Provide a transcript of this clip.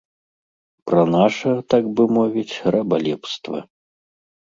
Пра наша, так бы мовіць, рабалепства.